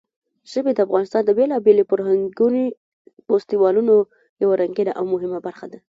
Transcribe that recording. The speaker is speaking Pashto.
ژبې د افغانستان د بېلابېلو فرهنګي فستیوالونو یوه رنګینه او مهمه برخه ده.